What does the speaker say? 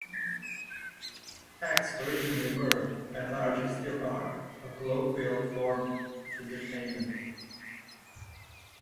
Facts originally were, and largely still are, a colloquial form of entertainment.